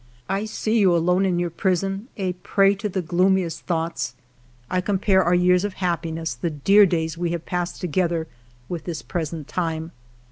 I see you alone in your prison, a prey to the gloomiest thoughts ; I compare our years of happiness, the dear days we have passed together, with this present time.